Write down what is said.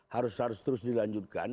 harus terus dilanjutkan